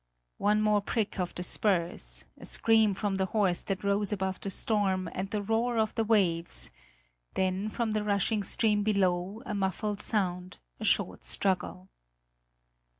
One more prick of the spurs; a scream from the horse that rose above the storm and the roar of the waves then from the rushing stream below a muffled sound, a short struggle.